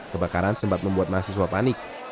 kebakaran sempat membuat mahasiswa panik